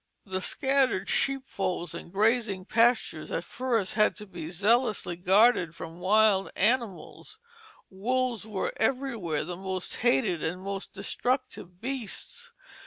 The scattered sheepfolds and grazing pastures at first had to be zealously guarded from wild animals; wolves were everywhere the most hated and most destructive beasts.